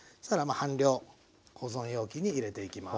半量保存容器に入れていきます。